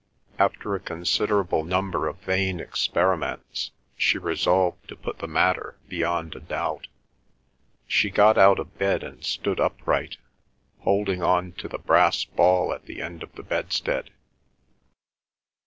After a considerable number of vain experiments, she resolved to put the matter beyond a doubt. She got out of bed and stood upright, holding on to the brass ball at the end of the bedstead.